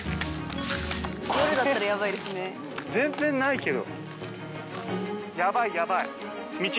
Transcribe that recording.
これ全然ないけど。